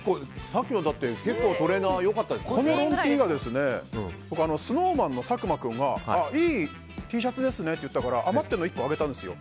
さっきのトレーナーこのロンＴは僕、ＳｎｏｗＭａｎの佐久間君がいいＴシャツですねって言ったから余っているのを１個あげたんですよ。